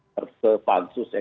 terse pansus ya